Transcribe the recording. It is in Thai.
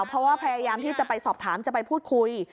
เพราะว่าพยายามที่จะไปสอบถามจะไปพูดคุย